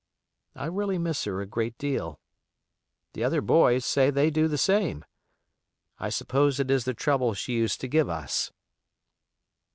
I really miss her a great deal. The other boys say they do the same. I suppose it is the trouble she used to give us.